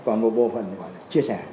còn một bộ phần là chia sẻ